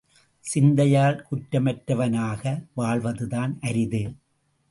சிந்தையால் குற்றமற்றவனாக வாழ்வதுதான் அரிது.